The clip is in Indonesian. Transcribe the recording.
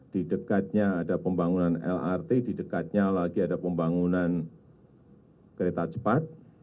di dekatnya ada pembangunan lrt di dekatnya lagi ada pembangunan kereta cepat